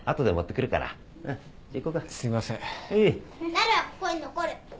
なるはここに残る。